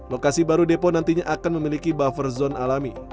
lokasi baru depo nantinya akan memiliki buffer zone alami